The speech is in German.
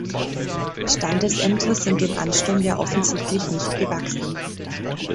Standesämter sind dem Ansturm ja offensichtlich nicht gewachsen.